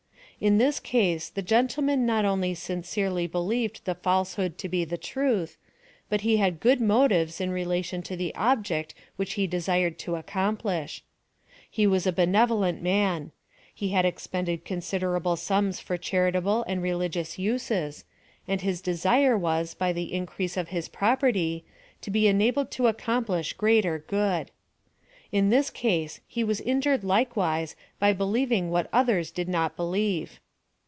In this case the gentleman not only sincerely believed the falsehood to be the truth, but he had good motives in relation to the object which he desired to ciccomplish. He was a benev olent man. He had expended considerable sums for charitable and religious uses, and his desire was by the increase of his property, to be enabled to ac complish greater good. In this case he was injured likewise by believing what others did not believe.